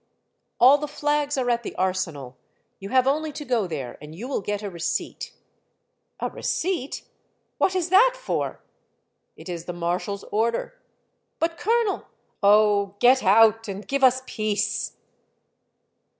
" All the flags are at the Arsenal. You have only to go there, and you will get a receipt." " A receipt? What is that for?" " It is the marshal's order." "But, colonel —"" Oh, get out ! and give us peace."